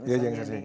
iya jangan sering